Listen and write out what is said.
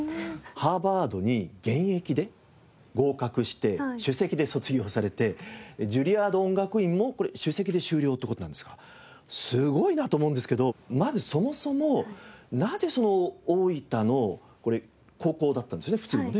ハーバードに現役で合格して首席で卒業されてジュリアード音楽院もこれ首席で修了って事なんですがすごいなと思うんですけどまずそもそもなぜ大分のこれ高校だったんですよね普通のね。